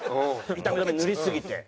痛み止め塗りすぎて。